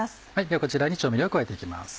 ではこちらに調味料を加えて行きます。